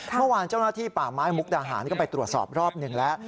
เมื่อวานเจ้าหน้าที่ป่าไม้มุกดาหารก็ไปตรวจสอบรอบหนึ่งแล้ว